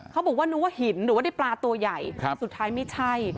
เขาบอกว่านึกว่าหินหรือว่าได้ปลาตัวใหญ่สุดท้ายไม่ใช่